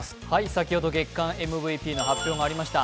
先ほど月間ＭＶＰの発表がありました。